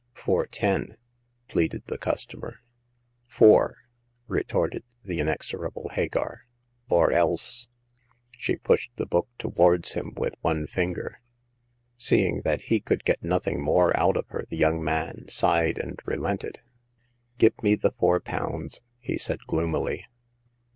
Four ten," pleaded the customer. " Four," retorted the inexorable Hagar. Or else " She pushed the book towards him with one finger. Seeing that he could get nothing more out of her, the young man sighed and relented. Give me the four pounds," he said, gloomily.